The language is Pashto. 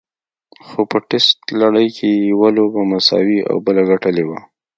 خو په ټېسټ لړۍ کې یې یوه لوبه مساوي او بله ګټلې وه.